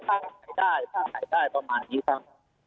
ถ้าขายได้ถ้าขายได้ประมาณนี้ครับ